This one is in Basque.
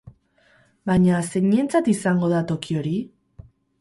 Baina, zeinentzat izango da toki hori?